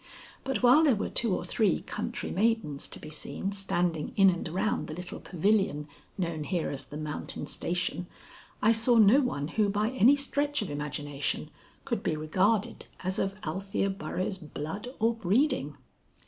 But while there were two or three country maidens to be seen standing in and around the little pavilion known here as the Mountain station, I saw no one who by any stretch of imagination could be regarded as of Althea Burroughs' blood or breeding.